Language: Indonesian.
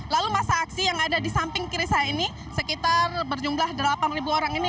lalu masa aksi yang ada di samping kiri saya ini sekitar berjumlah delapan orang ini